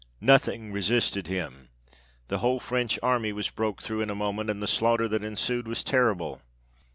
Nothing resisted him, the whole French army was broke through in a moment ; and the slaughter that ensued was terrible.